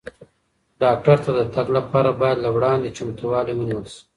ډاکټر ته د تګ لپاره باید له وړاندې چمتووالی ونیول شي.